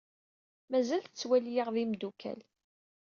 Mazal tettwali-aɣ d imeddukal.